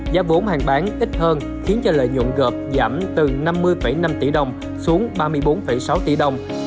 giá vốn hàng bán ít hơn khiến cho lợi nhuận gợp giảm từ năm mươi năm tỷ đồng xuống ba mươi bốn sáu tỷ đồng